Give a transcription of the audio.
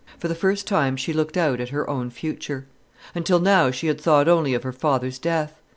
For the first time she looked out at her own future. Until now she had thought only of her father's death.